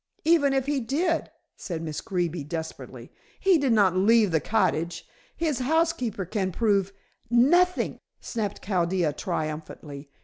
"Even if he did," said Miss Greeby desperately, "he did not leave the cottage. His housekeeper can prove " "Nothing," snapped Chaldea triumphantly.